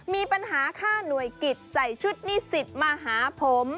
มีปัญหาค่าหน่วยกิจใส่ชุดนิสิตมาหาผม